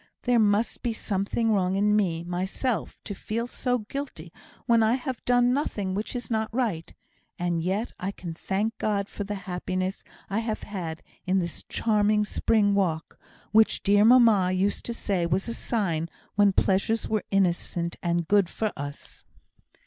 There must be something wrong in me, myself, to feel so guilty when I have done nothing which is not right; and yet I can thank God for the happiness I have had in this charming spring walk, which dear mamma used to say was a sign when pleasures were innocent and good for us."